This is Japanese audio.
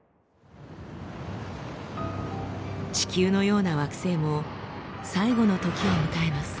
地球のような惑星も最期の時を迎えます。